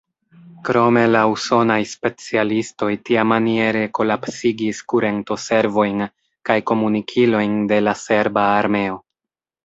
Krome la usonaj specialistoj tiamaniere kolapsigis kurentoservojn kaj komunikilojn de la serba armeo.